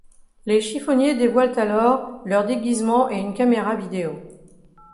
Les chiffoniers dévoilent alors leur déguisement et une caméra vidéo.